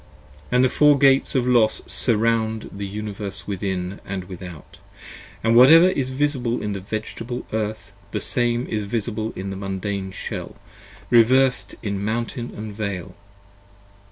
45 And the Four Gates of Los surround the Universe Within and Without; & whatever is visible in the Vegetable Earth, the same Is visible in the Mundane Shell : revers'd in mountain & vale.